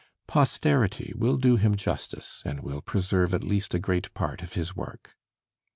Posterity will do him justice and will preserve at least a great part of his work. M.